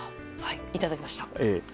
いただきました。